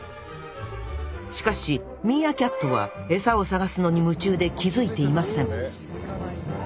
しかしミーアキャットはエサを探すのに夢中で気付いていません気付かないんだ！